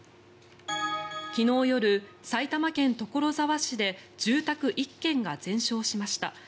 昨日夜、埼玉県所沢市で住宅１軒が全焼しました。